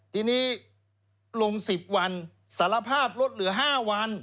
ทีนี้ลง๑๐วันสารภาพลดเหลือ๕วัน